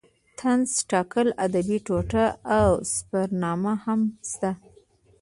طنز تکل ادبي ټوټه او سفرنامه هم شته.